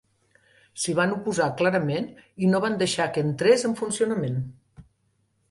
S'hi van oposar clarament i no van deixar que entrés en funcionament.